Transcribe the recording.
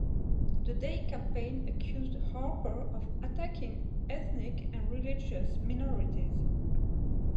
The Day campaign accused Harper of "attacking ethnic and religious minorities".